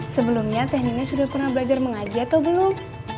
sebelumnya teh mimin sudah pernah belajar mengaji atau belum